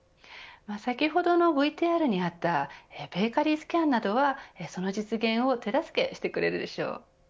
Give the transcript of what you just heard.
先ほどのＶＴＲにあったＢａｋｅｒｙＳｃａｎなどはその実現を手助けしてくれるでしょう。